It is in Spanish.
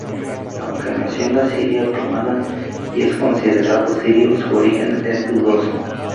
Aunque nació en la Siria otomana y es considerado sirio, su origen es dudoso.